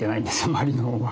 まりの方は。